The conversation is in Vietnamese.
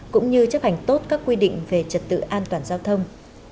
cũng như chấp hành tốt các quy định về trật tự an toàn giao thông